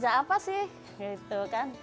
kedua bagaimana cara kita memperbaiki masyarakat ini